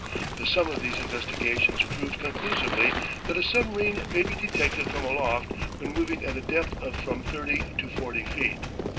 The sum of these investigations proved conclusively that a submarine may be detected from aloft when moving at a depth of from 30 to 40 feet.